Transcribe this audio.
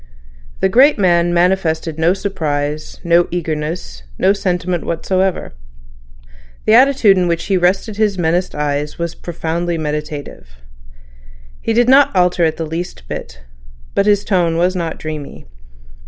The great man manifested no surprise, no eagerness, no sentiment whatever. The attitude in which he rested his menaced eyes was profoundly meditative. He did not alter it the least bit. But his tone was not dreamy.